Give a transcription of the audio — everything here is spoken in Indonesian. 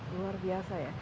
luar biasa ya